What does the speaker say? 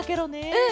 うん！